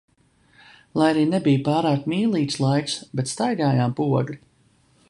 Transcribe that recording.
Lai arī nebija pārāk mīlīgs laiks, bet staigājām pa Ogri.